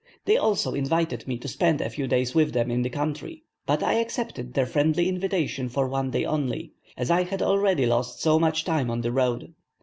They also invited me to spend a few days with them in the country, but I accepted their friendly invitation for one day only, as I had already lost so much time on the road.